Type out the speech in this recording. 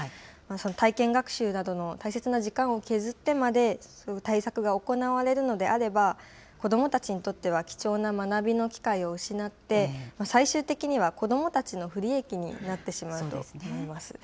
その体験学習などの大切な時間を削ってまで、対策が行われるのであれば、子どもたちにとっては貴重な学びの機会を失って、最終的には子どもたちの不利益になってしまうと思います。